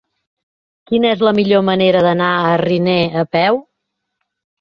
Quina és la millor manera d'anar a Riner a peu?